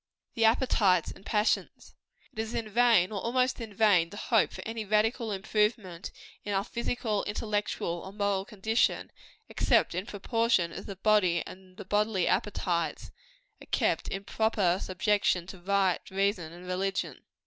THE APPETITES AND PASSIONS. It is in vain, or almost in vain, to hope for any radical improvement in our physical, intellectual or moral condition, except in proportion as the body and the bodily appetites are kept in proper subjection to right reason and religion.